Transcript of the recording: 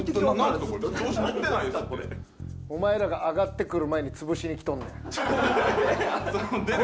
お前らが上がってくる前に潰しに来とんねん。